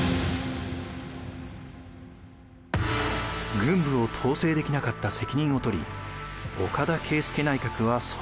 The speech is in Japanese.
軍部を統制できなかった責任を取り岡田啓介内閣は総辞職。